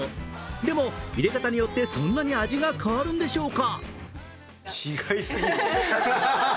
でも、いれ方によってそんなに味が変わるんでしょうか？